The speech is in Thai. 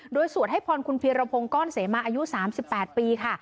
โดยสวดให้พรคุณพีรพงศ์ก้อนเสมาอายุ๓๘ปีค่ะ